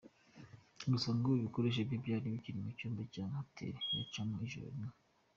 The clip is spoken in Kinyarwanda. Gusa ngo ibikoresho bye byari bikiri mu cyumba cya hotel yarayemo ijoro rimwe.